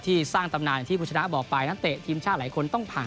ที่สร้างตำนานที่ผู้ชนะบอกปลายนัทเตะทีมชาติหลายคนต้องผ่าน